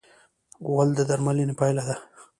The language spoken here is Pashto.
غول د درملنې پایله ده.